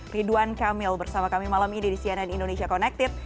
ridwan kamil bersama kami malam ini di cnn indonesia connected